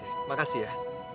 terima kasih ya